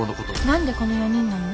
何でこの４人なの？